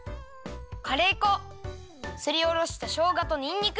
カレー粉すりおろしたしょうがとにんにく。